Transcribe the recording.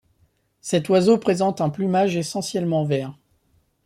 Cet oiseau présente un plumage essentiellement vert.